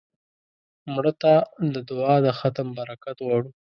مړه ته د دعا د ختم برکت غواړو